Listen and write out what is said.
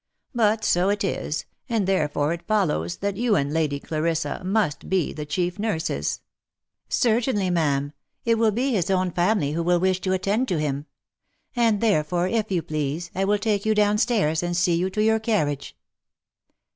But so it is, and therefore it follows that you and Lady Clarissa must be the chief nurses." " Certainly, ma'am, it will be his own family who will wish to at tend to him. And therefore, if you please, I will take you down stairs, and see you to your carriage."